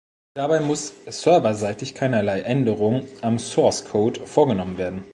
Dabei muss serverseitig keinerlei Änderung am Sourcecode vorgenommen werden.